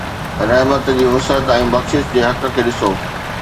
رحمت جي وسعت ۽ بخشش جي حق کي ڏسو